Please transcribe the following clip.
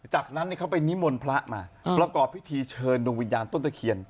จากนั้นเขาไปนิมนต์พระมาประกอบพิธีเชิญดวงวิญญาณต้นตะเคียน